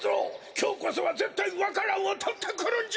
きょうこそはぜったいわか蘭をとってくるんじゃ！